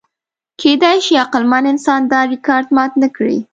کېدی شي عقلمن انسان دا ریکارډ مات نهکړي.